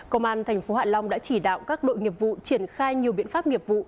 công an tp hạ long đã chỉ đạo các đội nghiệp vụ triển khai nhiều biện pháp nghiệp vụ